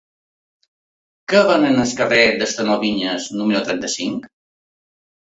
Què venen al carrer del Tenor Viñas número trenta-cinc?